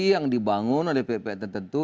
yang dibangun oleh ppt tentu